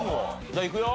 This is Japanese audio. じゃあいくよ。